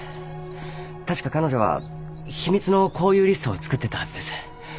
確か彼女は秘密の交友リストを作ってたはずです。